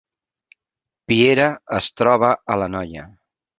Piera es troba a l’Anoia